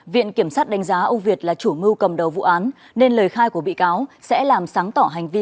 viện kiểm sát đánh giá ông việt là chủ mưu cầm đầu vụ án nên lời khai của bị cáo sẽ làm sáng tỏ hành vi